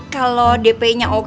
kalau dpi nya oke